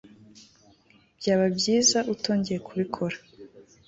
byaba byiza utongeye kubikora